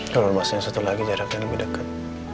kalau rumah saya satu lagi jaraknya lebih dekat